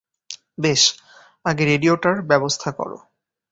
বেশ, আগে রেডিয়োটার ব্যবস্থা করো।